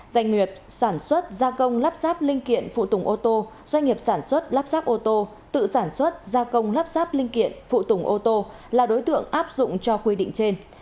doanh nghiệp sản xuất gia công lắp ráp linh kiện phụ tùng ô tô doanh nghiệp sản xuất lắp ráp ô tô tự sản xuất gia công lắp ráp linh kiện phụ tùng ô tô là đối tượng áp dụng cho quy định trên